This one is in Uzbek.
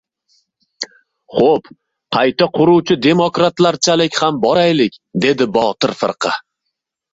«Xo‘p, qayta quruvchi demokratlarchalik ham boraylik, — dedi Botir firqa.